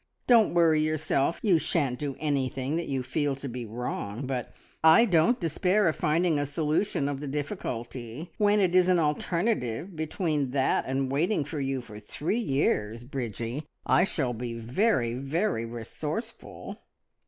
Don't worry yourself, you shan't do anything that you feel to be wrong, but I don't despair of finding a solution of the difficulty. When it is an alternative between that and waiting for you for three years, Bridgie, I shall be very, very resourceful!"